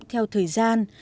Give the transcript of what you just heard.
theo thời gian